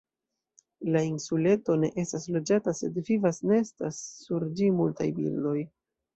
La insuleto ne estas loĝata, sed vivas, nestas sur ĝi multaj birdoj.